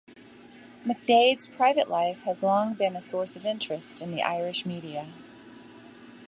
McDaid's private life has long been a source of interest in the Irish media.